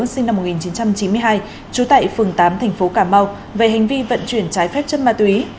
sinh năm một nghìn chín trăm chín mươi hai trú tại phường tám thành phố cà mau về hành vi vận chuyển trái phép chất ma túy